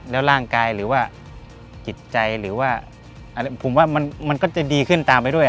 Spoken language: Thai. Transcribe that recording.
แล้วร่างกายหรือว่าจิตใจหรือว่าอะไรผมว่ามันก็จะดีขึ้นตามไปด้วย